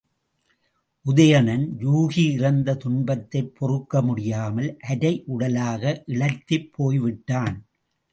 உதயணன், யூகி இறந்த துன்பத்தைப் பொறுக்க முடியாமல் அரை உடலாக இளைத்துப் போய்விட்டான்.